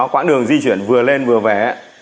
quảng đường di chuyển vừa lên vừa về